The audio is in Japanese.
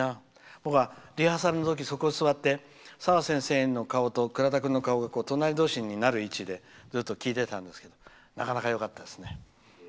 僕は、リハーサルのときにそこに座って澤先生の顔と倉田君の顔が隣同士になる位置でずっと聴いてたんですけどなかなかよかったですね。